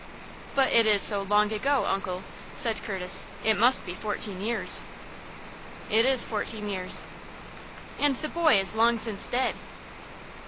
"But it is so long ago, uncle," said Curtis. "It must be fourteen years." "It is fourteen years." "And the boy is long since dead!"